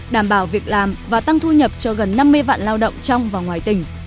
đảm bảo việc làm và tăng thu nhập cho gần năm mươi vạn lao động trong và ngoài tỉnh